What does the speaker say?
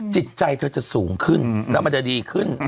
จิตใจเธอจะสูงขึ้นแล้วมันจะดีขึ้น